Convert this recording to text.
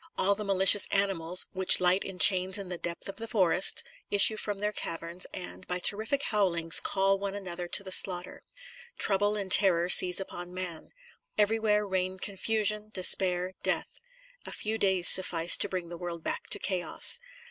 All the malicious animals, which light enchains in the depth of the forests, issue from their caverns, and, by terrific howlings, call one another to the slaughter. Trouble and terror seize upon man. Everywhere reign confusion, despair, death ; a few days suffice to bring the world back to chaos.